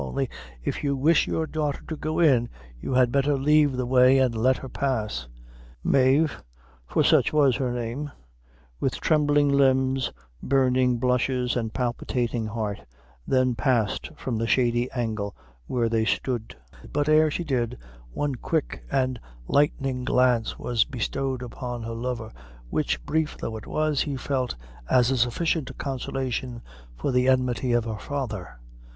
Only, if you wish your daughter to go in, you had better leave the way and let her pass." Mave for such was her name with trembling limbs, burning blushes and palpitating heart, then passed from the shady angle where they stood; but ere she did, one quick and lightning glance was bestowed upon her lover, which, brief though it was, he felt as a sufficient consolation for the enmity of her father.